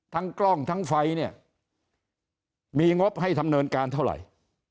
กล้องทั้งไฟเนี่ยมีงบให้ทำเนินการเท่าไหร่